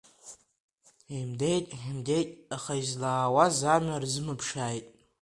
Еимдеит, еимдеит, аха излаауаз амҩа рзымԥшааит.